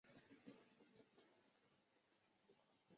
路环市区位于澳门路环恩尼斯总统前地的一个公车站。